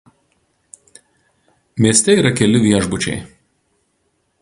Mieste yra keli viešbučiai.